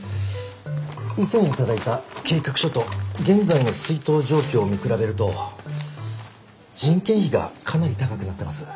以前頂いた計画書と現在の出納状況を見比べると人件費がかなり高くなってます。